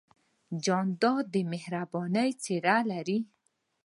جانداد د مهربانۍ څېرہ لري.